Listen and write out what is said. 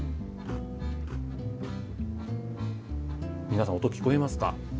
皆さん音聞こえますか？